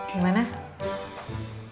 tidak ada cheng